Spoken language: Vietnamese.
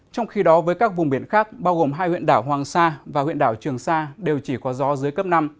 trong khi đó với các vùng biển khác bao gồm hai huyện đảo hoàng sa và huyện đảo trường sa đều chỉ có gió dưới cấp năm